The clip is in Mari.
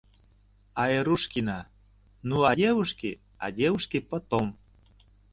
Айрушкина....ну а девушки, а девушки потом.